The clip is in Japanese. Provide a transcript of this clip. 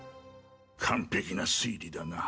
完璧な推理だな。